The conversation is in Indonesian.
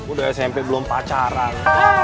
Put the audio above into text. udah smp belum pacaran